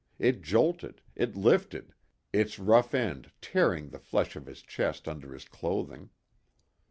It jolted, it lifted, its rough end tearing the flesh of his chest under his clothing.